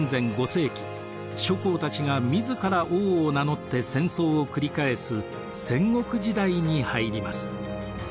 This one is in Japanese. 世紀諸侯たちが自ら王を名乗って戦争を繰り返す戦国時代に入ります。